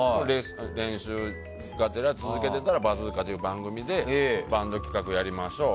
練習がてら続けてたら「バズーカ」という番組でバンド企画やりましょう。